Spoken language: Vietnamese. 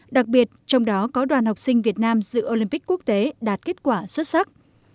đặc biệt trong đó có đoàn học sinh việt nam dự olympic quốc tế đạt kết quả xuất sắc